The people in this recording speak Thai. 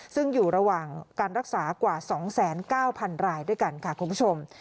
ซึ่งอยู่ระหว่างการรักษากว่า๒๙๐๐รายด้วยกันค่ะคุณผู้ชม